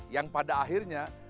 yang pada akhirnya